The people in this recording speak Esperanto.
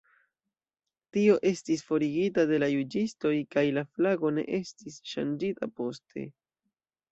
Tio estis forigita de la juĝistoj kaj la flago ne estis ŝanĝita poste.